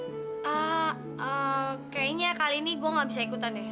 eee ee kayaknya kali ini gue nggak bisa ikutan deh